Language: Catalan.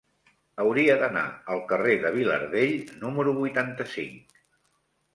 Hauria d'anar al carrer de Vilardell número vuitanta-cinc.